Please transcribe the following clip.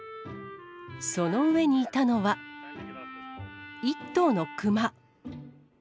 その上にいたのは、１頭の熊。